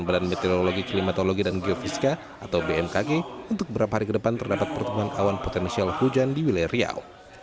badan meteorologi klimatologi dan geofisika atau bmkg untuk beberapa hari ke depan terdapat pertumbuhan awan potensial hujan di wilayah riau